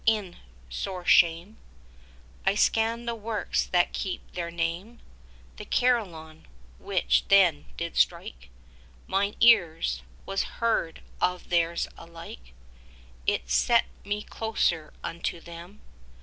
In sore shame I scanned the works that keep their name. The Carillon, which then did strike Mine ears, was heard of theirs alike; It set me closer unto them.